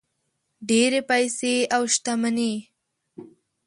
ډېرې پیسې او شتمني.